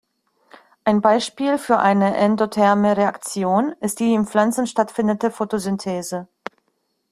Ein Beispiel für eine endotherme Reaktion ist die in Pflanzen stattfindende Photosynthese.